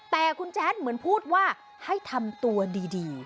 แต่คุณแจ๊ดเหมือนพูดว่าให้ทำตัวดี